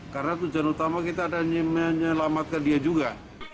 karena tujuan utama kita ada menyelamatkan dia juga